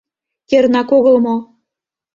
Кернак огыл мо?